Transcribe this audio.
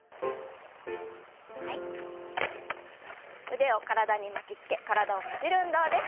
腕を体に巻きつけ体をねじる運動です。